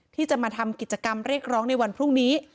ที่จะมาทำกิจกรรมเรียกร้องในวันพรุ่งนี้